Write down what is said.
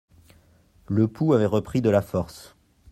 Le pouls avait repris de la force.